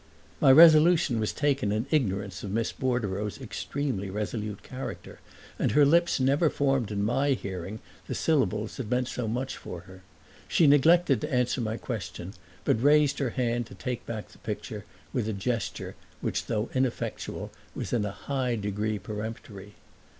My resolution was taken in ignorance of Miss Bordereau's extremely resolute character, and her lips never formed in my hearing the syllables that meant so much for her. She neglected to answer my question but raised her hand to take back the picture, with a gesture which though ineffectual was in a high degree peremptory.